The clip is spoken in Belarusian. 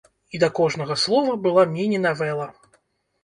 І да кожнага слова была міні-навэла.